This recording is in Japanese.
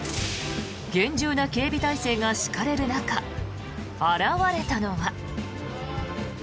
厳重な警備態勢が敷かれる中現れたのは。